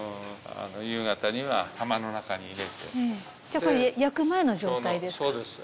じゃあこれ焼く前の状態ですか？